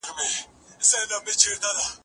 زه پرون بوټونه پاک کړل